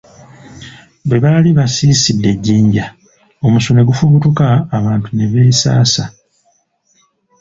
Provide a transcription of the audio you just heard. Bwe baali basiisidde e Jjinja, omusu ne gufubutuka abantu ne beesasa.